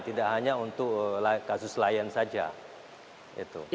tidak hanya untuk kasus lion saja